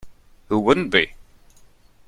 Who wouldn't be?